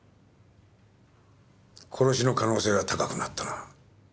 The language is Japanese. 殺しの可能性が高くなったな。